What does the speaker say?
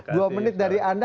dua menit dari anda